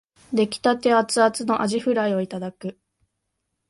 出来立てアツアツのあじフライをいただく